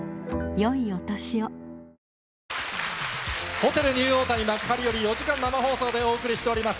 ホテルニューオータニ幕張より、４時間生放送でお送りしております。